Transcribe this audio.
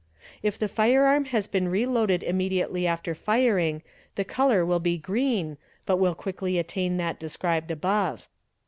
If the firearm has been reloaded immediately after firig the colour will be green but will quickly — attain that described above.